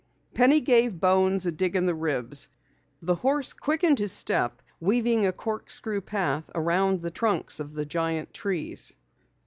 Penny gave Bones a dig in the ribs. The horse quickened his step, weaving a corkscrew path around the trunks of the giant trees.